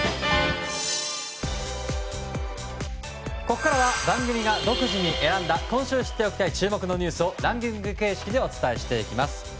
ここからは番組が独自に選んだ今週知っておきたい注目のニュースをランキング形式でお伝えしていきます。